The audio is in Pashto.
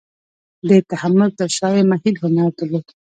د تحمل تر شا یې محیل هنر درلود.